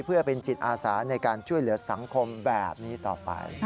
เพื่อเป็นจิตอาสาในการช่วยเหลือสังคมแบบนี้ต่อไป